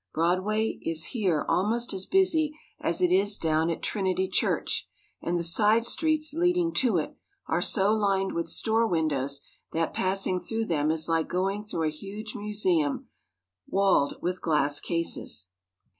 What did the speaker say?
Broadway is here al most as busy as it is down at Trinity Church, and the side streets leading to it are so lined with store windows that passing through them is like goingthrough a huge museum walled with glass cases.